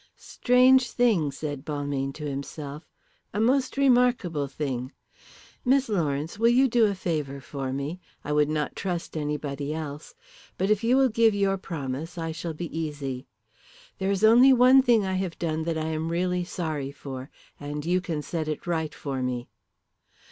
"Strange thing," said Balmayne to himself. "A most remarkable thing! Miss Lawrence, will you do a favour for me. I would not trust anybody else. But if you will give me your promise I shall be easy. There is only one thing I have done that I really am sorry for, and you can set it right for me."